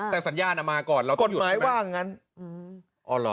แต่สัญญาณมาก่อนเราก็ต้องหยุด